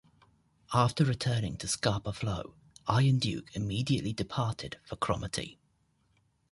After returning to Scapa Flow, "Iron Duke" immediately departed for Cromarty.